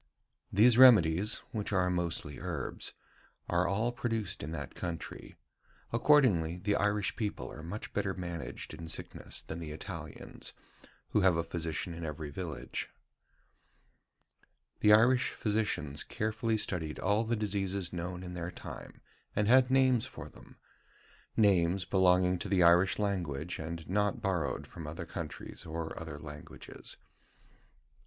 These remedies [which are mostly herbs], are all produced in that country. Accordingly, the Irish people are much better managed in sickness than the Italians, who have a physician in every village." The Irish physicians carefully studied all the diseases known in their time, and had names for them names belonging to the Irish language, and not borrowed from other countries or other languages.